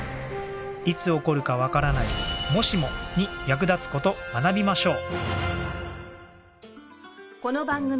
いつ起こるかわからない「もしも」に役立つ事学びましょう。